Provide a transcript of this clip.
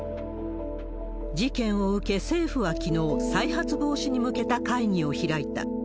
事件を受け、政府はきのう、再発防止に向けた会議を開いた。